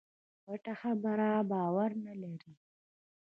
پټه خبره باور نه لري.